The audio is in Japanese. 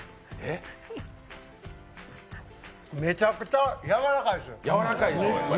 めちゃくちゃやわらかいですよ。